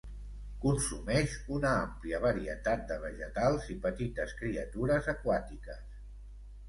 Consumeix una àmplia varietat de vegetals i petites criatures aquàtiques.